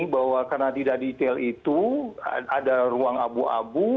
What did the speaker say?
bahwa karena tidak detail itu ada ruang abu abu